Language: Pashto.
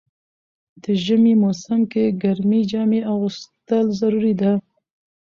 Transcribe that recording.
د ژمی موسم کی ګرمی جامی اغوستل ضروري ده.